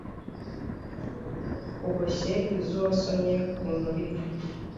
Uboshye izuwasomye ku nturire